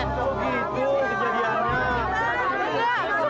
oh gitu kejadiannya